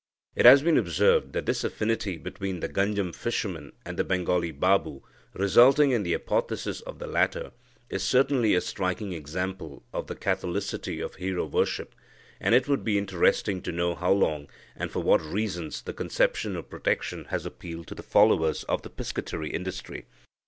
It has been observed that this affinity between the Ganjam fishermen and the Bengali Babu, resulting in the apotheosis of the latter, is certainly a striking example of the catholicity of hero worship, and it would be interesting to know how long, and for what reasons the conception of protection has appealed to the followers of the piscatory industry.